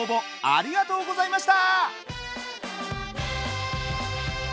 ありがとうございます。